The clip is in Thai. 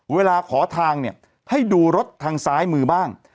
เวลาขอทางเนี่ยให้ดูรถทางซ้ายมือบ้าง